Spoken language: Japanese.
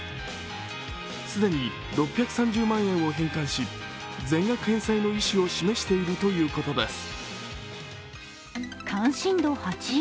既に６３０万円を返還し全額返済の意思を示しているということです。